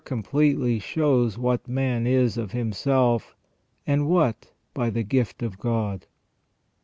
pletely shows what man is of himself, and what by the gift of God.